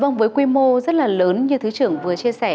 vâng với quy mô rất là lớn như thứ trưởng vừa chia sẻ